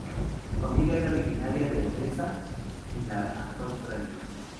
Su familia era originaria de Odessa, en la actual Ucrania.